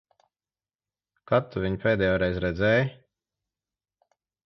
Kad tu viņu pēdējoreiz redzēji?